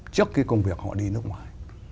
trước cái công việc họ đi nước ngoài